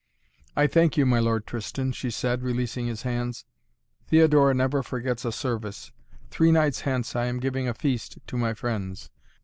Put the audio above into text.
"I thank you, my Lord Tristan," she said, releasing his hands. "Theodora never forgets a service. Three nights hence I am giving a feast to my friends.